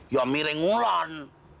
ya miring ulan